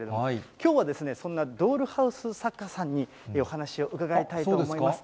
きょうは、そんなドールハウス作家さんにお話を伺いたいと思います。